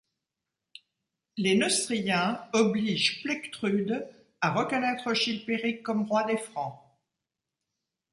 Les Neustriens obligent Plectrude à reconnaître Chilperic comme roi des Francs.